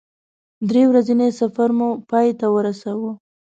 درې ورځنی سفر مو پای ته ورساوه.